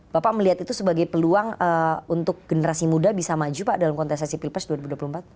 bapak melihat itu sebagai peluang untuk generasi muda bisa maju pak dalam kontestasi pilpres dua ribu dua puluh empat